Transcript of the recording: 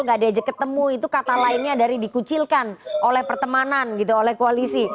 gak diajak ketemu itu kata lainnya dari dikucilkan oleh pertemanan gitu oleh koalisi